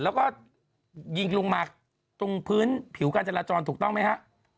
แล้วก็ยิงลงมาตรงพื้นผิวการจราจรถูกต้องไหมฮะ